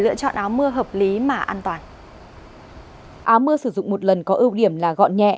áo mưa sử dụng một lần có ưu điểm là gọn nhẹ